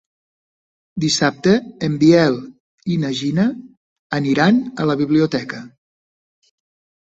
Dissabte en Biel i na Gina aniran a la biblioteca.